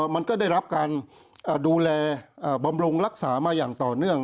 มันก็ได้รับการดูแลบำรุงรักษามาอย่างต่อเนื่อง